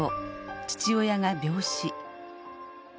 父親が病死。